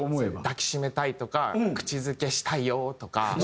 「抱きしめたい」とか「口付けしたいよー」とか。